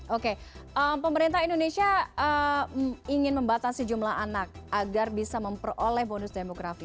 oke pemerintah indonesia ingin membatasi jumlah anak agar bisa memperoleh bonus demografi